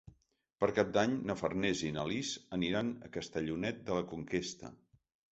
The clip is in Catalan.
Per Cap d'Any na Farners i na Lis aniran a Castellonet de la Conquesta.